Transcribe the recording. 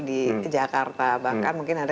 di jakarta bahkan mungkin ada